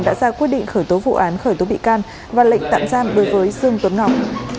đã ra quyết định khởi tố vụ án khởi tố bị can và lệnh tạm giam đối với dương tuấn ngọc